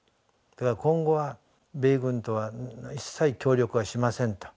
今後は米軍とは一切協力はしませんと。